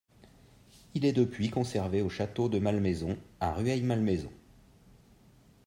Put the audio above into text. Il est depuis conservé au Château de Malmaison à Rueil-Malmaison.